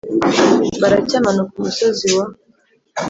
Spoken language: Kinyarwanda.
Baraki amanuka umusozi wa